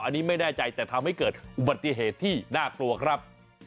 อันนี้ไม่แน่ใจแต่ทำให้เกิดอุบัติเหตุที่น่ากลัวครับ